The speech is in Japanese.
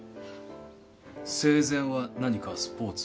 生前は何かスポーツを？